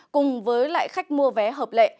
cùng với lại khách mua vé hợp lệ